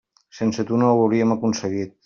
Sense tu no ho hauríem aconseguit.